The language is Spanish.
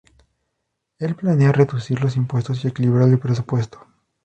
Él planea reducir los impuestos y equilibrar el presupuesto.